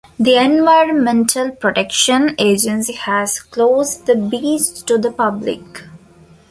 The Environmental Protection Agency has closed the beach to the public.